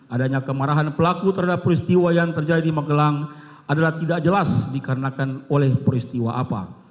adanya kemarahan pelaku terhadap peristiwa yang terjadi di magelang adalah tidak jelas dikarenakan oleh peristiwa apa